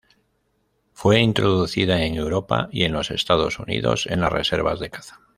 Fue introducida en Europa y en los Estados Unidos en las reservas de caza.